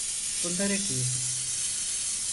Bunları giy.